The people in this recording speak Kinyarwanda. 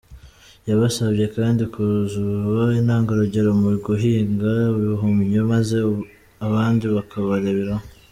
Yabasabye kandi kuzaba intangarugero mu guhinga ibihumyo maze abandi bakabareberaho.